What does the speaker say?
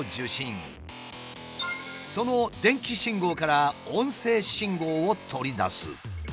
その電気信号から音声信号を取り出す。